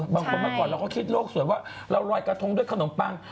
เมื่อก่อนเราก็คิดโลกสวยว่าเราลอยกระทงด้วยขนมปัง